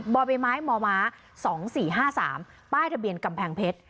บ่อใบไม้มม๒๔๕๓ป้ายทะเบียนกำแพงเพชร